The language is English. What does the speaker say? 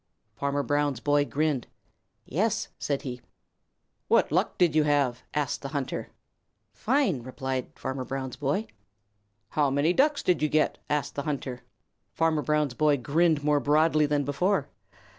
Farmer Brown's boy grinned. "Yes," said he. "What luck did you have?" asked the hunter. "Fine," replied Farmer Brown's boy. "How many Ducks did you get?" asked the hunter. Farmer Brown's boy grinned more broadly than before.